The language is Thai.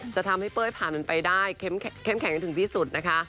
จะทำให้เป้ยผ่านมันไปได้เข้มแข็งถึงที่สุดนะคะ